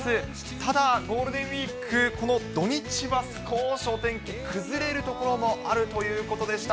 ただ、ゴールデンウィーク、この土日は少しお天気崩れる所もあるということでした。